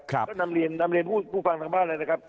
ก็นำเรียนนำเรียนผู้ฟังทางบ้านเลยนะครับ